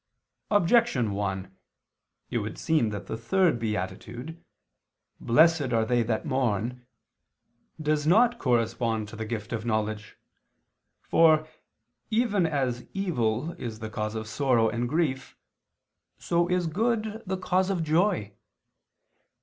Objection 1: It would seem that the third beatitude, "Blessed are they that mourn," does not correspond to the gift of knowledge. For, even as evil is the cause of sorrow and grief, so is good the cause of joy.